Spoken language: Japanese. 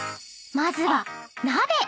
［まずは鍋］